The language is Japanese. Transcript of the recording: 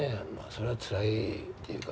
そりゃつらいっていうか。